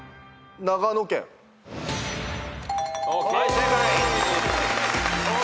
正解。